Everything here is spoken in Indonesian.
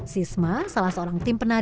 sisma salah seorang tim penanaman